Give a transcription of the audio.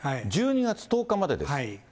１２月１０日までです。